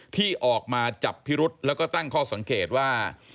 ที่ออกมาจับพิรุษแล้วก็ตั้งข้อสังเกตว่า